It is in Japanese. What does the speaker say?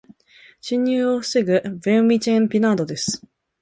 侵入を防ぐベウチェミン・ピナードです。